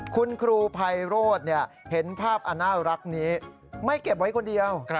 คุณครูไพโรธเห็นภาพอันน่ารักนี้ไม่เก็บไว้คนเดียว